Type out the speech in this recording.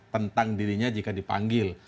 tentang dirinya jika dipanggil